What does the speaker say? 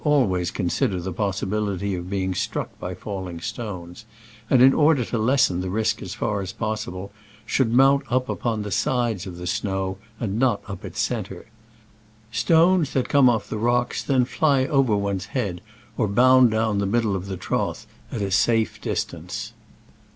I think they are very frequent possibility of being struck by falling stones, and, in order to lessen the risk as far as possible, should mount upon the sides of the snow and not up its centre. Stones that come off the rocks then ff y over one's head or bound down the middle of the trough at safe distance.